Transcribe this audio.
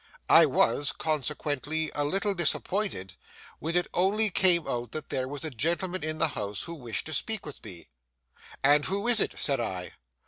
I was, consequently, a little disappointed when it only came out that there was a gentleman in the house who wished to speak with me. 'And who is it?' said I.